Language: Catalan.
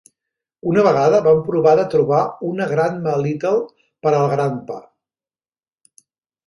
Una vegada van provar de trobar una Grandma Little per al Grandpa.